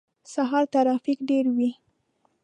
سهار ترافیک ډیر وی